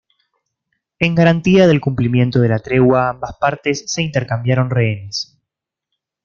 En garantía del cumplimiento de la tregua ambas partes se intercambiaron rehenes.